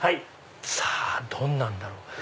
さぁどんなんだろう？